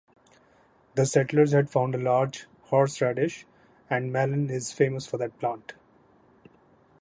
The settlers had found a large horseradish, and Malin is famous for that plant.